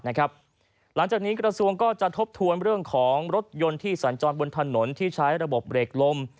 หลังจากนี้กระทรวงก็จะทบทวนเรื่องของรถยนต์ที่สัญจรบนถนนที่ใช้ระบบเบรกลม